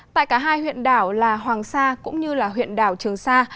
tại cả hai huyện đảo là hoàng sa cũng như huyện đảo trường sa